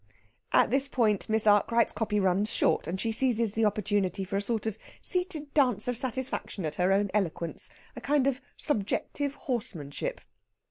At this point Miss Arkwright's copy runs short, and she seizes the opportunity for a sort of seated dance of satisfaction at her own eloquence a kind of subjective horsemanship.